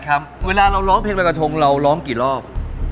ครับเวลาเราร้องเพลงรอยกระทงเราร้องกี่รอบ